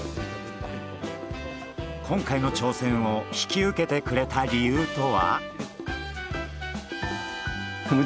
今回の挑戦を引き受けてくれた理由とは？